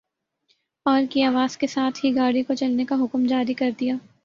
اور کی آواز کے ساتھ ہی گاڑی کو چلنے کا حکم جاری کر دیا ۔